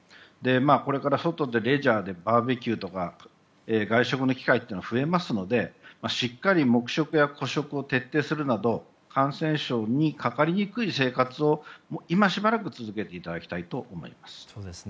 これから外でレジャーでバーベキューとか外食の機会というのは増えますのでしっかり黙食や孤食を徹底するなど感染症にかかりにくい生活を今しばらく続けていただきたいと思います。